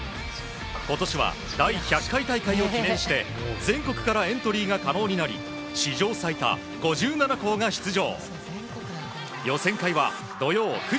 今年は第１００回大会を記念して全国からエントリーが可能になり史上最多５７校が出場。